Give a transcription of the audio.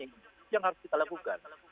itu yang harus kita lakukan